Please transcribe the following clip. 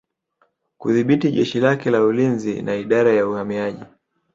Kudhibiti jeshi lake la ulinzi na Idara ya Uhamiaji